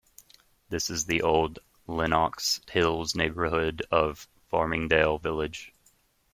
This is the Old Lenox Hills neighborhood of Farmingdale Village.